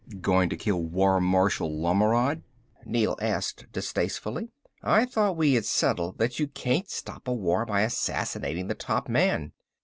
"Going to kill War Marshal Lommeord?" Neel asked distastefully. "I thought we had settled that you can't stop a war by assassinating the top man."